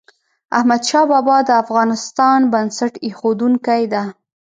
احمد شاه بابا د افغانستان بنسټ ایښودونکی ده.